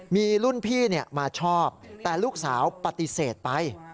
มีรุ่นพี่มาชอบแต่ลูกสาวปฏิเสธไป